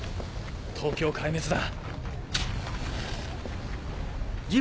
東京壊滅だ。